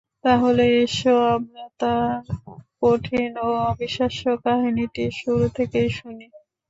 তাহলে এসো আমরা তাঁর কঠিন ও অবিশ্বাস্য কাহিনীটি শুরু থেকেই শুনি।